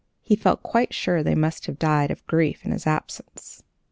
He felt quite sure they must have died of grief in his absence.